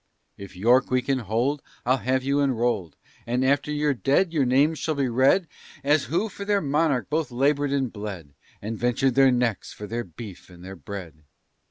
If York we can hold, I'll have you enroll'd; And after you're dead, your names shall be read, As who for their monarch both labor'd and bled, And ventur'd their necks for their beef and their bread.